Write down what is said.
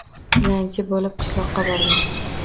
Tilanchi bo‘lib qishloqqa borgan